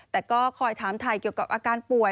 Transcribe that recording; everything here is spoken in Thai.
แต่ก็คอยถามถ่ายเกี่ยวกับอาการป่วย